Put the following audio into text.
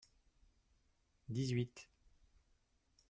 dix-huit.